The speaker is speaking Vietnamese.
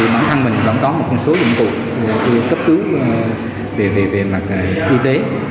bản thân mình vẫn có một số dụng cụ cấp cứu về mặt y tế